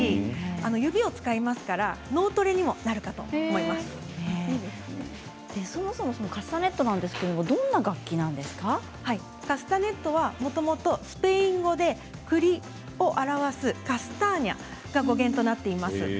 指を使いますからそもそもカスタネットなんカスタネットはもともとスペイン語で、くりを表すカスターニャが語源となっています。